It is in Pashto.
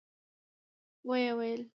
و يې ويل.